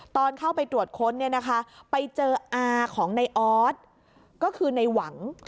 ตอนเข้าไปตรวจค้นไปเจออาของนายออสก็คือนายหวัง